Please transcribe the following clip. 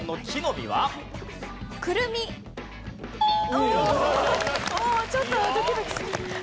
おおーっちょっとドキドキする。